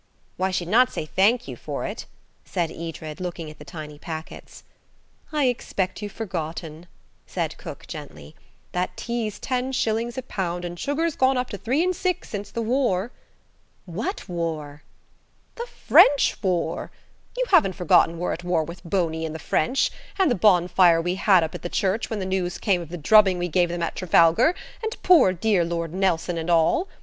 "Why, she'd not say 'Thank you' for it," said Edred, looking at the tiny packets. "I expect you've forgotten," said cook gently, "that tea's ten shillings a pound and sugar's gone up to three and six since the war." "What war?" "The French war. You haven't forgotten we're at war with Boney and the French, and the bonfire we had up at the church when the news came of the drubbing we gave them at Trafalgar, and poor dear Lord Nelson and all?